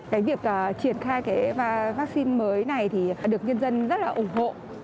cái việc triển khai cái vaccine mới này thì được nhân dân rất là ủng hộ